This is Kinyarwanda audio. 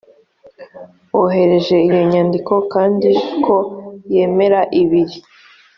wohereje iyo nyandiko kandi ko yemera ibiri